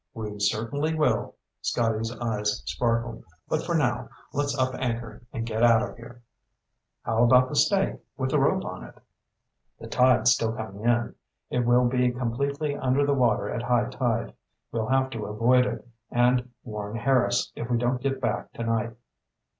"We certainly will." Scotty's eyes sparkled. "But for now, let's up anchor and get out of here." "How about the stake with the rope on it?" "The tide's still coming in. It will be completely under the water at high tide. We'll have to avoid it, and warn Harris if we don't get back tonight."